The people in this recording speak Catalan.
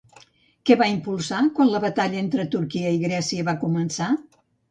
Què va impulsar quan la batalla entre Turquia i Grècia va començar?